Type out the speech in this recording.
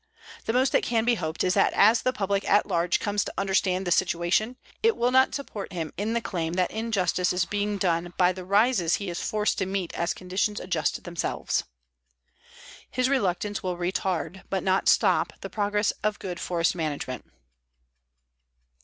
The most that can be hoped is that as the public at large comes to understand the situation, it will not support him in the claim that injustice is being done by the rises he is forced to meet as conditions adjust themselves. His reluctance will retard, but not stop, the progress of good forest management.